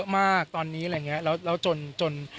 ไม่เฮิร์ด